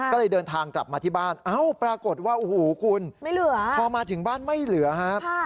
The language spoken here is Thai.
ก็เลยเดินทางกลับมาที่บ้านเอ้าปรากฏว่าโอ้โหคุณไม่เหลือพอมาถึงบ้านไม่เหลือครับ